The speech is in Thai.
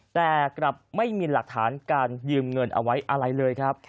แต่กลับไม่มีหลักฐานการยืมเงินเอาไว้อะไรเลยครับ